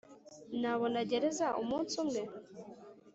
nabona gereza umunsi umwe?